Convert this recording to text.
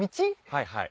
はいはい。